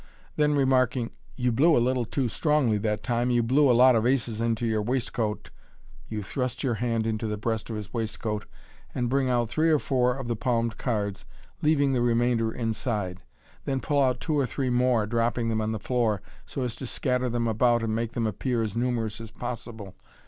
Then remarking, " You blew a little too strongly that time. You blew a lot of aces into your waistcoat," you thrust your hand into the breast of his waistcoat, and bring out three or four of the palmed cards, leaving the remainder inside j then pull out two or three more, dropping them on the floor, so as to scatter them about and make them appear as numerous as possible.